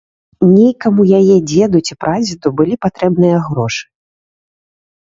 Нейкаму яе дзеду ці прадзеду былі патрэбныя грошы.